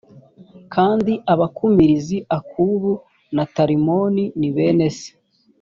kandi abakumirizi akubu na talimoni ni bene se